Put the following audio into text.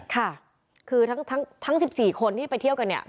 ค่ะคือทั้ง๑๔คนที่ไปเที่ยวกันเนี่ย